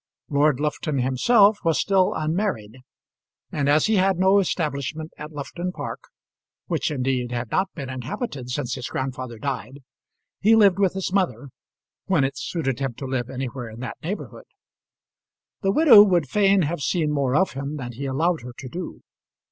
Lord Lufton himself was still unmarried; and as he had no establishment at Lufton Park which indeed had not been inhabited since his grandfather died he lived with his mother when it suited him to live anywhere in that neighbourhood. The widow would fain have seen more of him than he allowed her to do.